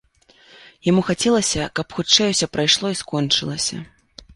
Яму хацелася, каб хутчэй усё прайшло і скончылася.